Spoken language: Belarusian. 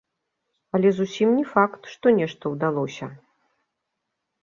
Але зусім не факт, што нешта ўдалося.